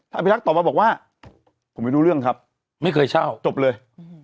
อภิรักษ์ตอบมาบอกว่าผมไม่รู้เรื่องครับไม่เคยเช่าจบเลย